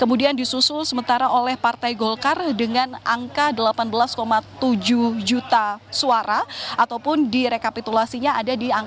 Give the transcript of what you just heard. kemudian disusul oleh partai golkar dengan angka delapan belas tujuh juta suara ataupun di rekapitulasinya ada di angka lima belas tiga puluh enam